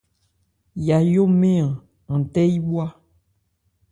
Yayo mɛ́n-an, an tɛ́ yí bhwá.